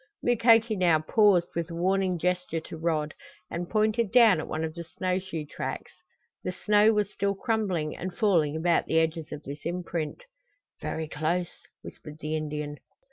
Mukoki now paused with a warning gesture to Rod, and pointed down at one of the snow shoe tracks. The snow was still crumbling and falling about the edges of this imprint. "Ver' close!" whispered the Indian.